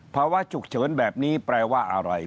ภาวะฉุกเฉินแบบนี้แปลว่าอะไร